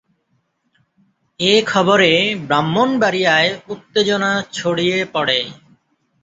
এ খবরে ব্রাহ্মণবাড়িয়ায় উত্তেজনা ছড়িয়ে পড়ে।